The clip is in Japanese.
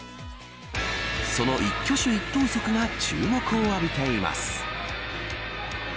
その一挙手一投足が注目を浴びています。